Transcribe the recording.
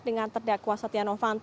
dengan terdakwa setia novanto